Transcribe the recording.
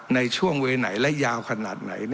ในช่วงเวย์ไหนและยาวขนาดไหน